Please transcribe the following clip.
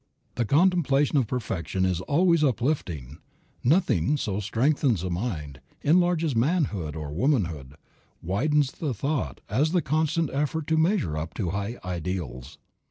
"The contemplation of perfection is always uplifting." Nothing so strengthens the mind, enlarges manhood, or womanhood, widens the thought, as the constant effort to measure up to high ideals.